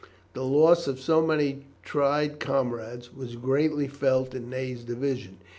The loss of so many tried comrades was greatly felt in Ney's division.